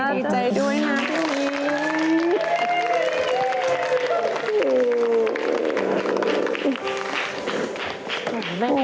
บริจัยด้วยนะ